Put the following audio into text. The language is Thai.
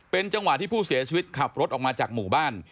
จังหวะที่ผู้เสียชีวิตขับรถออกมาจากหมู่บ้าน